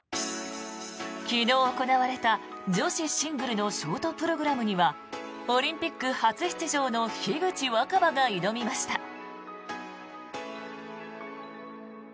昨日、行われた女子シングルのショートプログラムにはオリンピック初出場の樋口新葉が挑みました。